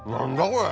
これ。